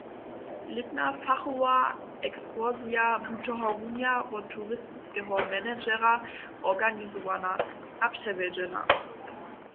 Lětna fachowa ekskursija bu tohorunja wot turistiskeho managera organizowana a přewjedźena.